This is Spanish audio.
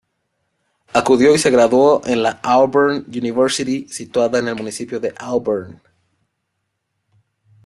Acudió y se graduó en la Auburn University, situada en el municipio de Auburn.